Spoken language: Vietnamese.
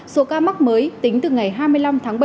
số ca mắc mới tính từ ngày hai mươi năm tháng bảy